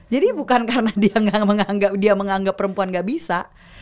jadi bukan karena dia menganggap perempuan gak bisa